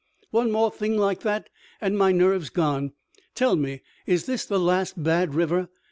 One more thing like that and my nerve's gone. Tell me, is this the last bad river?